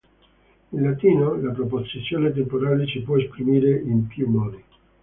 In latino la proposizione temporale si può esprimere in più modi.